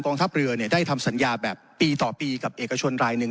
ทัพเรือได้ทำสัญญาแบบปีต่อปีกับเอกชนรายหนึ่ง